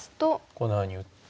このように打って。